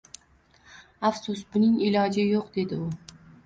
— Afsus, buning iloji yo‘q, — dedi u.